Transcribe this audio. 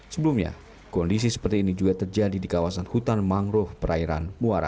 sebelumnya kondisi seperti ini juga terjadi di kawasan hutan mangrove perairan muara